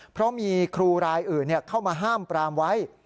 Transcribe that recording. เพราะมีครูรายอื่นเข้ามาห้ามปรามไว้